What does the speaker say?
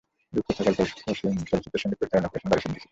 রূপকথার গল্প চলচ্চিত্রের সঙ্গীত পরিচালনা করেছেন বারী সিদ্দিকী।